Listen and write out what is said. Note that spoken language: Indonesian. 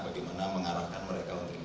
bagaimana mengarahkan mereka untuk ini